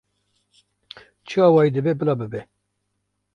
Çi awayî dibe bila bibe